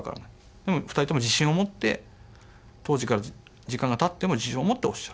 でも２人とも自信を持って当時から時間がたっても自信を持っておっしゃる。